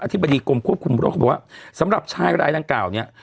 ธิบดีกรมควบคุมโรคเขาบอกว่าสำหรับชายรายดังกล่าวเนี่ย